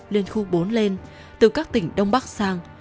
liên khu bốn lên từ các tỉnh đông bắc sang